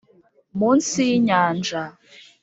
munsi yinyanja